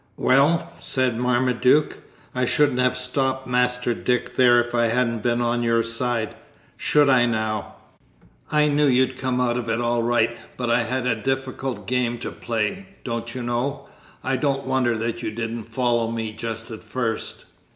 "Well," said Marmaduke, "I shouldn't have stopped Master Dick there if I hadn't been on your side, should I now? I knew you'd come out of it all right, but I had a difficult game to play, don't you know? I don't wonder that you didn't follow me just at first."